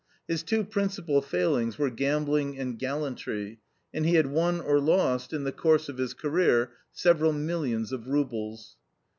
His two principal failings were gambling and gallantry, and he had won or lost, in the course of his career, several millions of roubles.